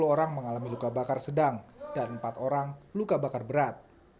sepuluh orang mengalami luka bakar sedang dan empat orang luka bakar berat